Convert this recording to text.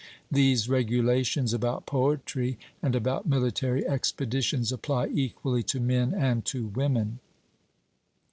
These regulations about poetry, and about military expeditions, apply equally to men and to women.